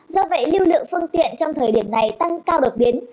do vậy lưu lượng phương tiện trong thời điểm này tăng cao đột biến